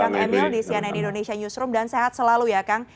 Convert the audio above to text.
kang emil di cnn indonesia newsroom dan sehat selalu ya kang